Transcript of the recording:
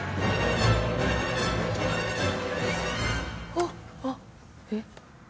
おっあっえっ？